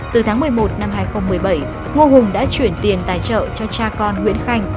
từ tháng một mươi một năm hai nghìn một mươi bảy ngô hùng đã chuyển tiền tài trợ cho cha con nguyễn khanh